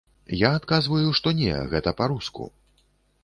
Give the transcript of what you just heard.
Я адказваю, што не, гэта па-руску.